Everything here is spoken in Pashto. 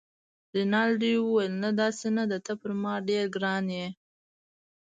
رینالډي وویل: نه، داسې نه ده، ته پر ما ډېر ګران يې.